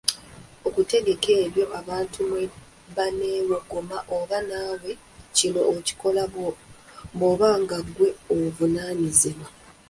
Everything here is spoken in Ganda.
Okutegeka ebyo abantu mwe baneewogoma oba naawe kino okikola bw’oba nga ggwe ovunaanyizibwa.